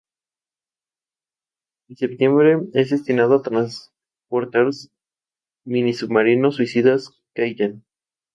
En septiembre es destinado a transportar minisubmarinos suicidas "Kaiten".